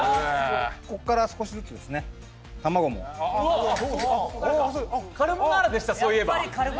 ここから少しずつですね卵もうわそうか